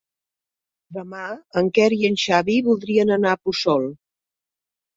Demà en Quer i en Xavi voldrien anar a Puçol.